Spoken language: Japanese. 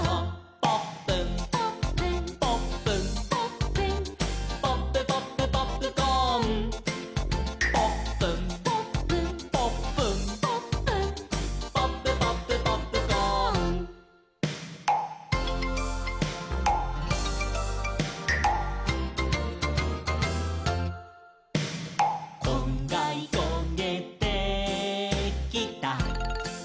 「ポップン」「ポップン」「ポップン」「ポップン」「ポップポップポップコーン」「ポップン」「ポップン」「ポップン」「ポップン」「ポップポップポップコーン」「こんがりこげてきた」